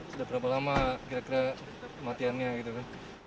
sudah berapa lama kira kira kematiannya